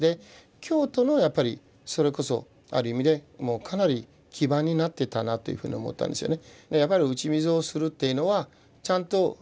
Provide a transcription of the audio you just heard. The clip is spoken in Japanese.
京都のやっぱりそれこそある意味でかなり基盤になってたなっていうふうに思ったんですよね。